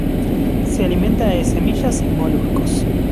Se alimenta de semillas y moluscos.